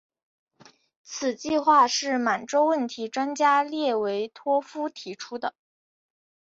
此计划是满洲问题专家列维托夫提出的。